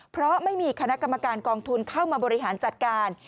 เพราะไม่มีคณะกรรมการกองทุนเข้ามาบริหารจัดการ